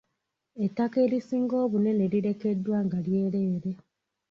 Ettaka erisinga obunene lirekeddwa nga lyereere.